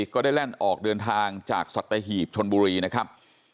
ก็ได้แล่นออกเดินทางจากสัตหีบชนบุรีนะครับ